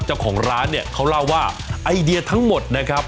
เจ้าของร้านเนี่ยเขาเล่าว่าไอเดียทั้งหมดนะครับ